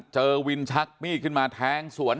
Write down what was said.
เจอวินชักมีดขึ้นมาแทงสวน